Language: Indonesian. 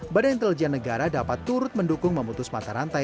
badan intelijen negara dapat turut mendukung memutus mata rantai